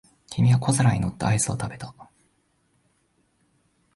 君は小皿に乗ったアイスを食べた。